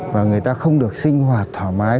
và người ta không được sinh hoạt thoải mái